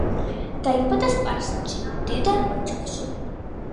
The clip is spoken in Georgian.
დაიბადა სპარსეთში, მდიდარ ოჯახში.